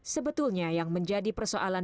sebetulnya yang menjadi persoalan